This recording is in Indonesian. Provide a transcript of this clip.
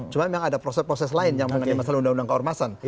cuma memang ada proses proses lain yang mengenai masalah undang undang keormasan